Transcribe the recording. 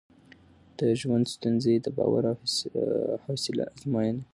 د ژوند ستونزې د باور او حوصله ازموینه ده.